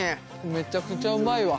めちゃくちゃうまいわ。